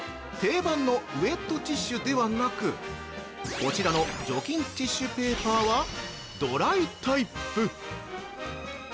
定番のウエットティッシュではなくこちらの除菌ティッシュペーパーはドライタイプ。